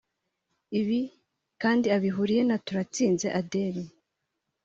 Ibi kandi abihuriyeho na Turatsinze Adiel